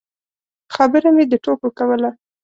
خبره مې د ټوکو کوله.